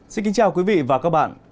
xin kính chào quý vị và các bạn